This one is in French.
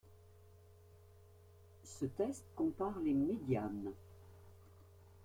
Ce test compare les médianes.